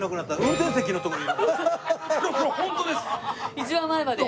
一番前まで？